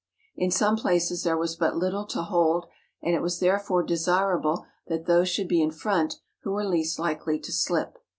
In some places there was but little to hold, and it was therefore desirable that those should be in front who were least likely to slip.